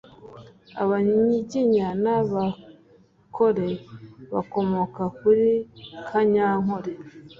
Abanyiginya b’Abakore bakomoka kuri Kanyankore